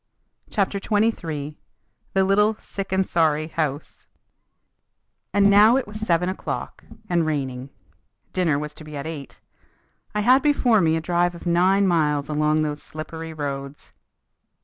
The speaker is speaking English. CHAPTER XXIII THE LITTLE "SICK AND SORRY" HOUSE And now it was seven o'clock, and raining. Dinner was to be at eight. I had before me a drive of nine miles along those slippery roads.